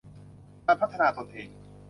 การพัฒนาตนเอง